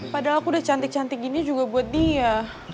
padahal aku udah cantik cantik gini juga buat dia